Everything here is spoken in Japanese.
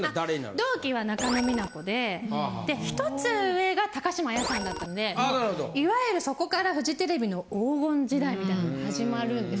同期は中野美奈子で１つ上が高島彩さんだったのでいわゆるそこからフジテレビの黄金時代みたいのが始まるんです。